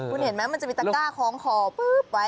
คุณเห็นไหมมันจะมีตะก้าคล้องคอปึ๊บไว้